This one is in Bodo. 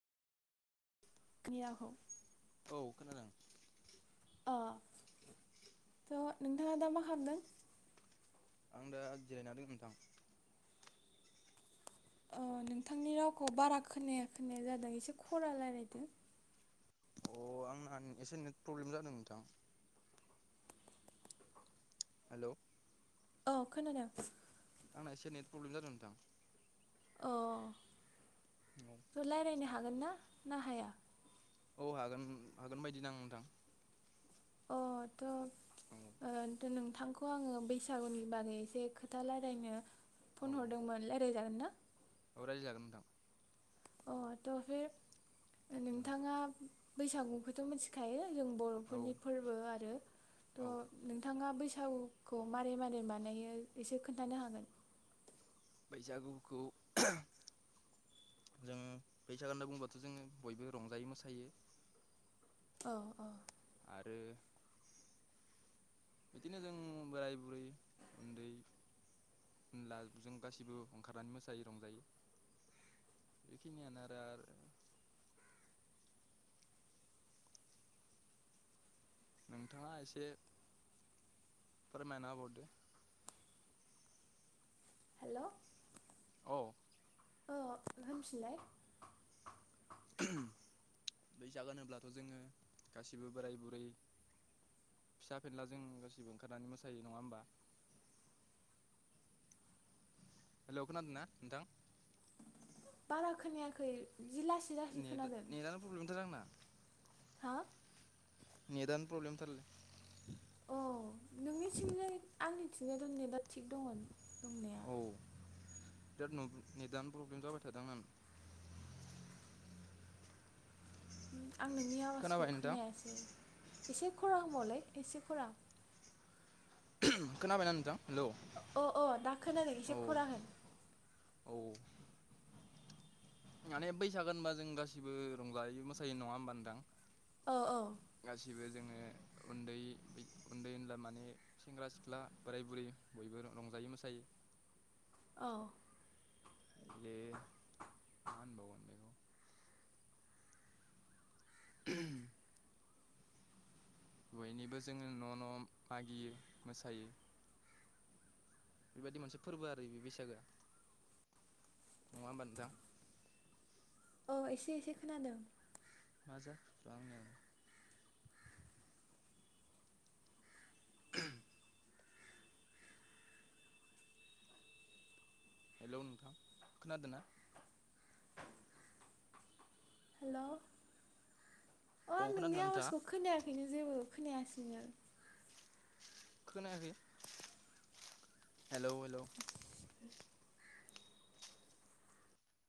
मियाखौ। औ खोनादों। अ थ' नोंथाङा दा मा खालामदों? आं दा जिरायनानै दों नोंथां। ओ नोंथांनि रावखौ बारा खोनाया-खोनाया जादों एसे खरा राय्लायदों? अ आंना एसे नेट प्रब्लेम जादों नोंथां। हेल'। औ खोनादों। आंना एसे नेट प्रब्लेम जादों नोंथां। अ रायज्लायनो हागोन ना हाया? औ हागोन हागोन बायदिदां नोंथां। अ थ' औ ओ नोंथांखौ आङो बैसागुनि बागै एसे खोथा रायलायनो फन हरदोंमोन रायज्लायजागोन ना। अ रायालाय जागोन नोंथां। अ थ' बे नोंथाङा बैसागुखौथ' मिथि खायो जों औ बर'फोरनि फोरबो आरो थ' औ नोंथाङा बैसागु खौ मारै मारै बानायो एसे खोन्थानो हागोन? बैसागुखौ जोङो बैसागो होना बुंबाय बाथ' जोङो बयबो रंजायो मोसायो। अ-अ। आरो बिदिनो जों बोराय बुरै उन्दै होमब्ला जों गासिबो ओंखारनानै मोसायो रंजायो। बेखिनियानो आरो-आरो। नोंथाङा एसे फोरमायना होबावदो? हेल'। औ। अ होनफिनलाय? बैसागो होनोब्लाथ' जोङो गासिबो बोराय बुरै फिसा फेनला जों गासिबो ओंखारनानै मोसायो नङा होमबा? हेलौ खोनादों ना नोंथां? बारा खोनायाखै जि लासै लासै नेट खोनादों नेटनो प्रब्लेमथार आंना। हा नेदानो प्रब्लेम थारलै। अ नोंनिथिंजाय आंनि थिंजाय दंनाय दा थिग दङ दंनाया। औ बिराद नेदानो प्रब्लेम जाबाय थादों आ आं नोंनि आवाजखौ खोनाबाय नोंथां खोनायासै एसे खरा हबावलै एसे खरा? खोनाबायना नोंथां? हेलौ अ अ दा खोनादों औ एसे खरा होन औ माने बैसागो होनबा जों गासिबो रंजायोै मोसायो नङा होनोमबा नोथां औ औ बो जोङो उन्दै उन्दै उनला माने सेंग्रा सिख्ला बोराय बुरै बयबो रंजायोै मोसायो औ बे मा मोनबावगोन बेखौ [unintelligible] बयनिबो जोङो न' न' मागियो मोसायो बेबायदि मोनसे फोरबो आरो बे बैसागोआ नङा होमबा नोंथां औ एसे एसे खोनादों माजाखो बा आंनिआ [unintelligible] हेलौ नोंथां खोनादों ना हेल' अ आं नोंनि खोनादोंना नोंथाङा आवाजखौ खोनायाखैनो जेबो खोनायासैनो खोनायाखै हेलौ हेलौ